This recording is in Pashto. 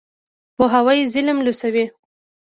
پوهاوی ظالم لوڅوي.